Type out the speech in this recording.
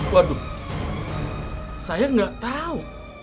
waduh saya gak tau